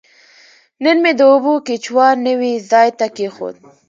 نن مې د اوبو کیچوا نوي ځای ته کیښود.